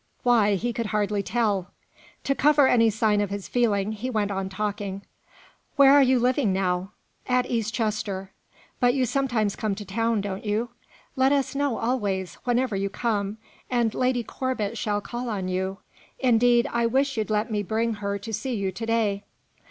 Why, he could hardly tell. To cover any sign of his feeling he went on talking. "Where are you living now?" "At East Chester." "But you come sometimes to town, don't you? Let us know always whenever you come; and Lady Corbet shall call on you. Indeed, I wish you'd let me bring her to see you to day."